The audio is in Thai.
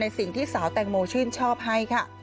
สิ่งที่สาวแตงโมชื่นชอบให้ค่ะ